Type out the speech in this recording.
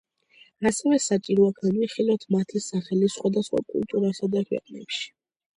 ასევე საჭიროა განვიხილოთ მათი სახელი სხვადასხვა კულტურასა და ქვეყნებში.